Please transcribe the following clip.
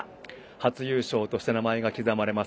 初優勝として名前が刻まれます。